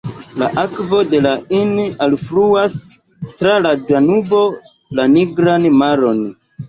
La akvo de la Inn alfluas tra la Danubo la Nigran Maron.